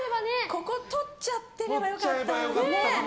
ここをとっちゃってれば良かったんだ。